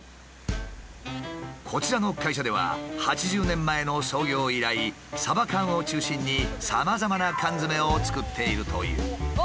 こちらの会社では８０年前の創業以来サバ缶を中心にさまざまな缶詰を作っているという。